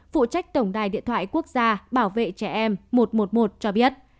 phụ trách tổng đài điện thoại quốc gia bảo vệ trẻ em một trăm một mươi một cho biết